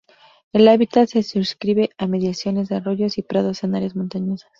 El hábitat se circunscribe a inmediaciones de arroyos y prados en áreas montañosas.